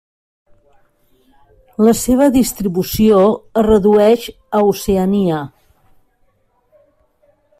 La seva distribució es redueix a Oceania.